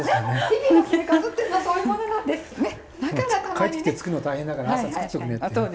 帰ってきて作るのが大変だから朝作っちょくねっていう。